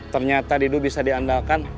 ternyata didu bisa diandalkan